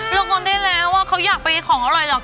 เริ่มงนได้แล้วเขาอยากไปอย่างของอร่อยหรอก